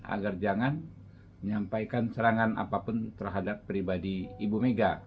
agar jangan menyampaikan serangan apapun terhadap pribadi ibu mega